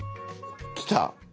来た！